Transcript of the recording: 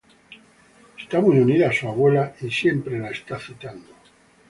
Está muy unida a su abuela, y siempre la está citando.